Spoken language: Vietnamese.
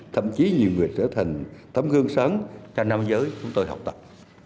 thậm chí nhiều người trở thành tấm gương sáng cho nam giới chúng tôi học tập